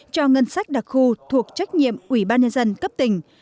cho ngân sách đặc khu thuộc trách nhiệm ủy ban nhân dân cấp tỉnh